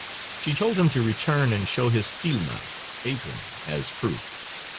She told him to return and show his tilma (apron) as proof.